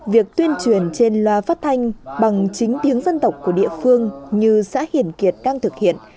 việc tuyên truyền trên loa phát thanh bằng chính tiếng dân tộc của địa phương như xã hiển kiệt đang thực hiện